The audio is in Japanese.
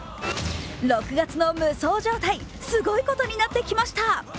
６月の無双状態、すごいことになってきました。